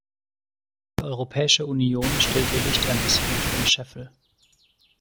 Die Europäische Union stellt ihr Licht ein bisschen unter den Scheffel.